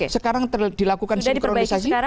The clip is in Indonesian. sekarang dilakukan sinkronisasi